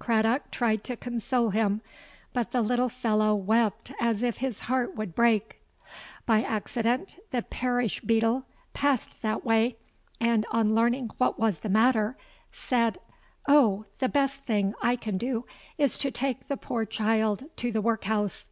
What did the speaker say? Craddock tried to console him; but the little fellow wept as if his heart would break. By accident the parish beadle passed that way, and, on learning what was the matter, said, 'Oh! the best thing I can do, is to take the poor child to the workhouse.'